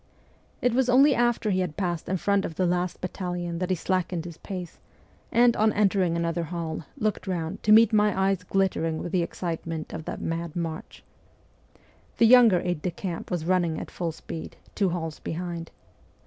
It was only after he had passed in front of the last battalion that he slackened his pace, and, on entering another hall, looked round, to meet my eyes glittering with the excitement of that mad march. The younger aide de camp was running at full speed, two halls behind.